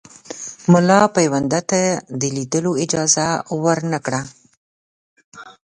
مُلاپوونده ته د لیدلو اجازه ورنه کړه.